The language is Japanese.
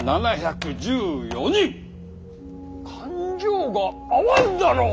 勘定が合わんだろう！